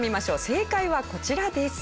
正解はこちらです。